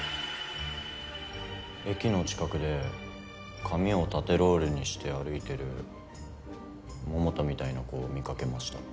駅の近くで髪を縦ロールにして歩いてる桃田みたいな子を見かけました。